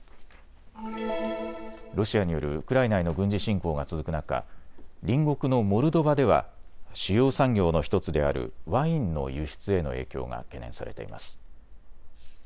ロシアによるウクライナへの軍事侵攻が続く中、隣国のモルドバでは主要産業の１つであるワインの輸出への影響が懸念されています。